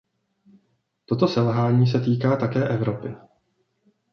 Toto selhání se týká také Evropy.